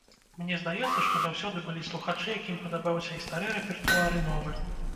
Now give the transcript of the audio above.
Мне здаецца, што заўсёды былі слухачы, якім падабаўся і стары рэпертуар, і новы.